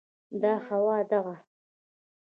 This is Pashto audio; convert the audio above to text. دا هوا، دغه